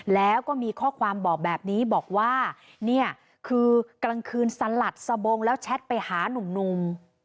แล้วก็มีข้อความบอกแบบนี้บอกว่าเนี่ยคือกลางคืนสลัดสบงแล้วแชทไปหานุ่ม